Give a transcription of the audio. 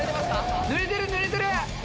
ぬれてる、ぬれてる。